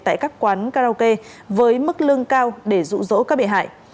tại các quán karaoke với mức lương cao để rụ rỗ các bị hại